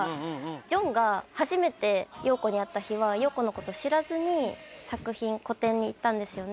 ジョンが初めてヨーコに会った日はヨーコのこと知らずに個展に行ったんですよね